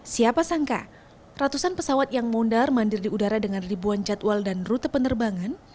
siapa sangka ratusan pesawat yang mondar mandir di udara dengan ribuan jadwal dan rute penerbangan